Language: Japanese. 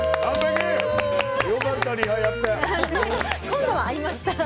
今度は合いました。